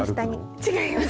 違います。